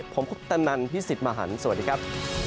ผมคุปตนันพี่สิทธิ์มหันฯสวัสดีครับ